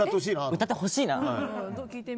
歌ってほしいな。